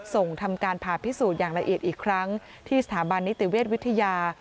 ส่งทำการผ่าพิสูจน์อย่างละเอียดอีกครั้งที่สถาบันนิติเวชวิทยา